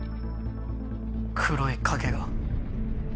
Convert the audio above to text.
黒い影が。